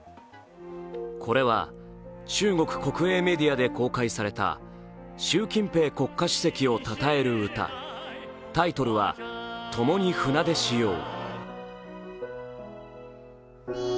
これは中国国営メディアで公開された習近平国家主席をたたえる歌タイトルは「共に船出しよう」。